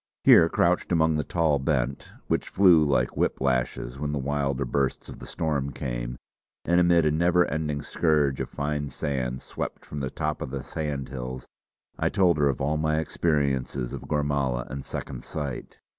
Here crouched among the tall bent, which flew like whip lashes when the wilder bursts of the storm came, and amid a never ending scourge of fine sand swept from the top of the sandhills, I told her of all my experiences of Gormala and Second Sight.